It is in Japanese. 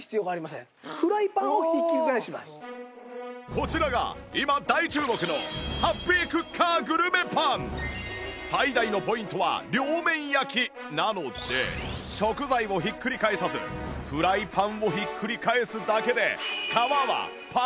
こちらが今大注目の最大のポイントは両面焼きなので食材をひっくり返さずフライパンをひっくり返すだけで